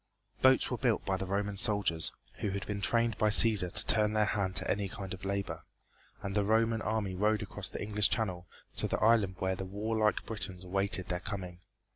Boats were built by the Roman soldiers, who had been trained by Cæsar to turn their hand to any kind of labor, and the Roman army rowed across the English channel to the island where the warlike Britons awaited their coming.